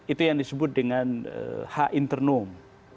itu yang disebut dengan hak internum